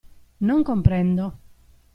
Non comprendo.